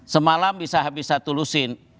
semalam bisa habis satu lusin